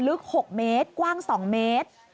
ลึก๖เมตรกว้าง๒เมตร